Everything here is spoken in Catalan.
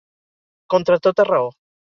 Contra tota raó.